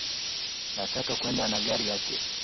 Nataka kuenda na gari yake